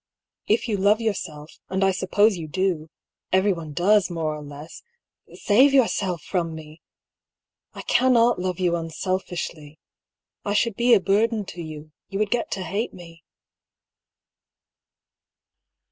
If you love yourself, and I suppose you do — everyone does, more or less — save yourself from me ! I cannot love you unselfishly. I should be a burden to you ; you would get to hate me."